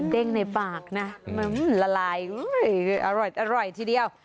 เด้งในปากนะละลายอร่อยทีเดียว